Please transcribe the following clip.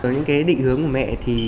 những định hướng của mẹ